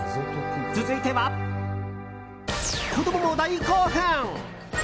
続いては、子供も大興奮！